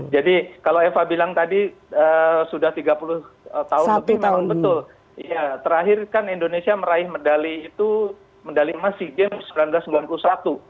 jadi kalau eva bilang tadi sudah tiga puluh tahun terakhir kan indonesia meraih medali itu medali masi games seribu sembilan ratus sembilan puluh satu